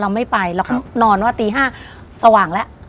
ไม่ไปเราก็นอนว่าตี๕สว่างแล้ว